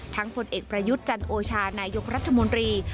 ผลเอกประยุทธ์จันโอชานายกรัฐมนตรี